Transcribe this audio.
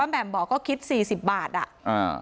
แหม่มบอกก็คิดสี่สิบบาทอ่ะอ่า